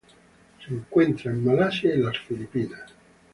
Se encuentra en Malasia y las Filipinas.